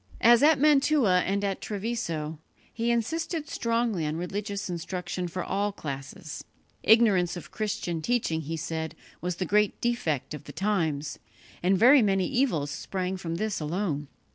As at Mantua and at Treviso, he insisted strongly on religious instruction for all classes. Ignorance of Christian teaching, he said, was the great defect of the times, and very many evils sprang from this alone.